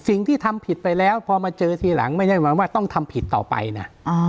สิ่งที่ทำผิดไปแล้วพอมาเจอทีหลังไม่ได้หมายว่าต้องทำผิดต่อไปนะ